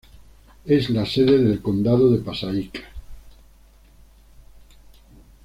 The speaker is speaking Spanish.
Es la sede del Condado de Passaic.